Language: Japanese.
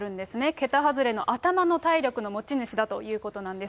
桁外れの頭の体力の持ち主だということなんです。